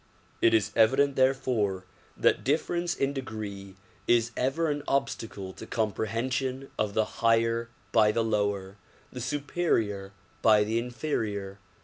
It is evident therefore that difference in degree is ever an obstacle to comprehension of the higher by the lower, the superior by the inferior.